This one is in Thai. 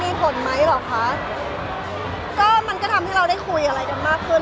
มีผลไหมเหรอคะก็มันก็ทำให้เราได้คุยอะไรกันมากขึ้น